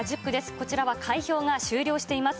こちらは開票が終了しています。